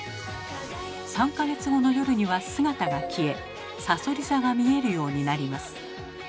３か月後の夜には姿が消えさそり座が見えるようになります。